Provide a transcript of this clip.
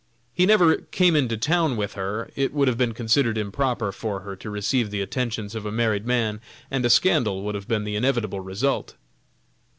He never came into town with her; it would have been considered improper for her to receive the attentions of a married man, and a scandal would have been the inevitable result.